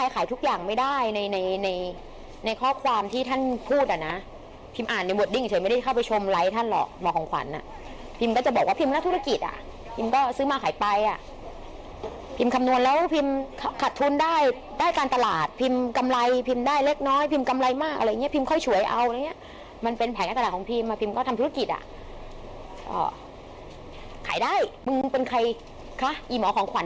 อ๋อขายได้มึงเป็นใครค่ะอีหมอของขวัญจะมาบอกว่ากูขายไม่ได้เป็นตำรวจเหรอ